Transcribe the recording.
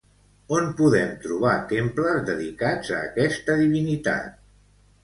On podem trobar temples dedicats a aquesta divinitat?